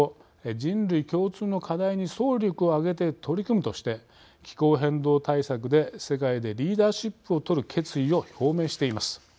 人類共通の課題に総力を挙げて取り組むとして気候変動対策で世界でリーダーシップをとる決意を表明しています。